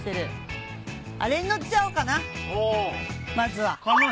まずは。